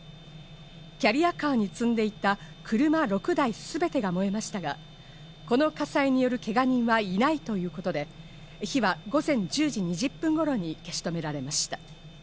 キャリアカーに積んでいた車６台すべてが燃えましたが、この火災によるけが人はいないということで、火は午前１０時２０分頃に消し止められました。